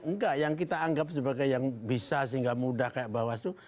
enggak yang kita anggap sebagai yang bisa sehingga mudah kayak bawaslu